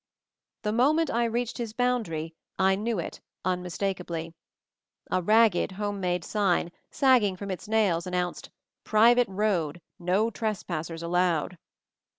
The moment I reached his boundary I knew it, unmistakably. A ragged, home made sign, sagging from its nails, announced "Private Road. No trespassers allowed."